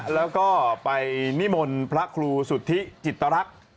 แล้วก็ไปนิมนต์พระครูสุธิจิตรักษ์